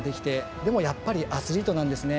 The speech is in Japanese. でも、やっぱりアスリートなんですね。